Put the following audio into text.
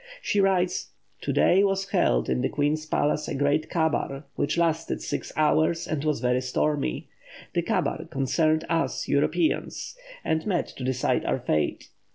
She writes: "To day was held in the Queen's palace a great kabar, which lasted six hours and was very stormy. The kabar concerned us Europeans, and met to decide our fate.